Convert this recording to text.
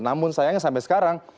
namun sayangnya sampai sekarang